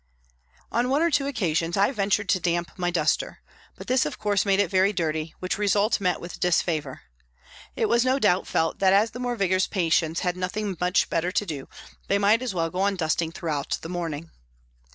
On one or two occasions I ventured to damp my duster, but this, of course, made it very dirty, which result met with disfavour. It was no doubt felt that as the more vigorous patients had nothing much better to do, they might as well go on dusting throughout the morning.